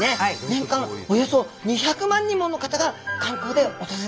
年間およそ２００万人もの方が観光で訪れます。